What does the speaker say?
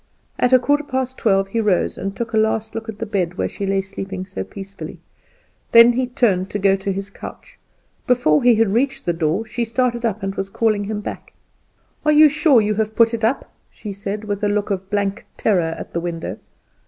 At a quarter past twelve he rose, and took a last look at the bed where she lay sleeping so peacefully; then he turned to go to his couch. Before he had reached the door she had started up and was calling him back. "You are sure you have put it up?" she said, with a look of blank terror at the window.